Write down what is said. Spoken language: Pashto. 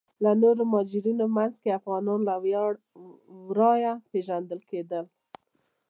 د نورو مهاجرینو په منځ کې افغانان له ورایه پیژندل کیدل.